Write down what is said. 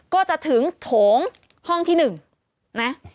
ก็จะถึงโถงห้องที่๑นะ